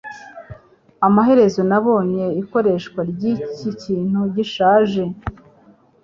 Amaherezo nabonye ikoreshwa ryiki kintu gishaje.